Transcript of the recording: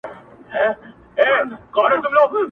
بختور به په دنیا کي د حیات اوبه چښینه!.